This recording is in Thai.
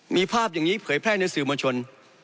มีภาพอย่างนี้เผยแพร่ในสื่อมวลชน